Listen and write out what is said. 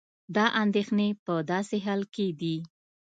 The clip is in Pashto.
دا اندېښنې په داسې حال کې دي